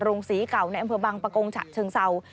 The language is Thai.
โรงศรีเก่าในอำเภอบังปะโกงฉะเชิงเศร้า